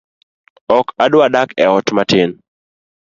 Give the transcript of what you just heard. Ok adwa dak e ot matin